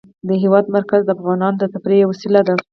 د هېواد مرکز د افغانانو د تفریح یوه وسیله ده.